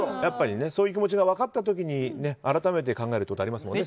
そういう気持ちが分かった時に改めて考えることありますもんね。